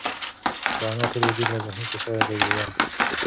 د انا ټول وجود له ذهني فشاره رېږدېده.